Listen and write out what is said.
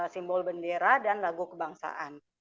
simbol bendera dan lagu kebangsaan